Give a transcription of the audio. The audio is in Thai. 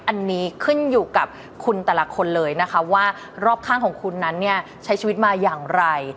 อันนี้ขึ้นอยู่กับคุณแต่ละคนเลยนะคะว่ารอบข้างของคุณนั้นเนี่ยใช้ชีวิตมาอย่างไร